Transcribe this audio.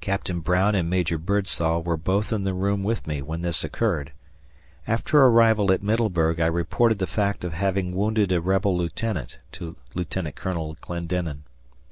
Captain Brown and Major Birdsall were both in the room with me when this occurred. After arrival at Middleburg I reported the fact of having wounded a rebel lieutenant to Lieutenant Colonel Clendenin.